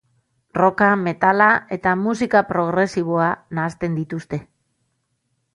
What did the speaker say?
Rocka, metala eta musika progresiboa nahasten dituzte.